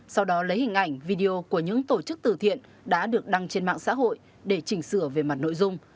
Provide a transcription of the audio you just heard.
sau đó lấy hình ảnh video của những tổ chức từ thiện đã được đăng trên mạng xã hội để chỉnh sửa về mặt nội dung